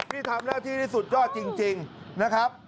นี่ทำหน้าที่ที่สุดยอดจริงนะครับ